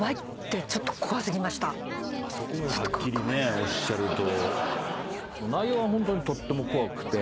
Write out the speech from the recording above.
あそこまではっきりねおっしゃると。